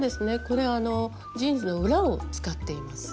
これジーンズの裏を使っています。